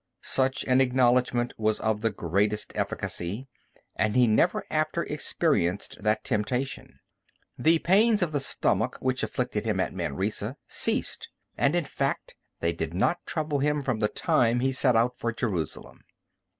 Such an acknowledgment was of the greatest efficacy, and he never after experienced that temptation. The pains of the stomach, which afflicted him at Manresa, ceased, and, in fact, they did not trouble him from the time he set out for Jerusalem.